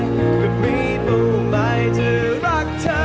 ไม่มีต้องหมายจะรักเธอ